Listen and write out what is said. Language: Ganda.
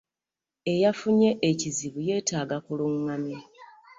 Eyafunye ekizibu yeetaaga kuluŋŋamya.